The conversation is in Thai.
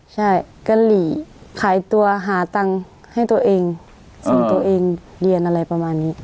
ใช่กะหรี่ขายตัวหาตังค์ให้ตัวเองส่งตัวเองเรียนอะไรประมาณนี้